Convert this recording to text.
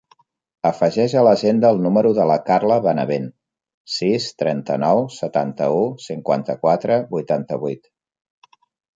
Afegeix a l'agenda el número de la Carla Benavent: sis, trenta-nou, setanta-u, cinquanta-quatre, vuitanta-vuit.